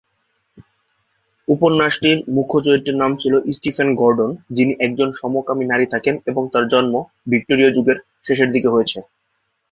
উপন্যাসটির মুখ্য চরিত্রের নাম ছিলো স্টিফেন গর্ডন যিনি একজন সমকামী নারী থাকেন এবং তার জন্ম ভিক্টোরীয় যুগের শেষের দিকে হয়েছে।